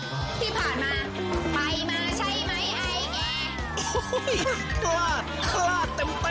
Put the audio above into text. ที่ผ่านมาไปมาใช่ไหมไอแก